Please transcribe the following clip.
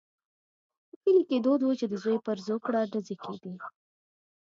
په کلي کې دود وو چې د زوی پر زوکړه ډزې کېدې.